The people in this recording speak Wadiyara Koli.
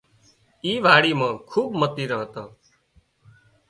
اي واڙِي مان کوٻ متيران هتان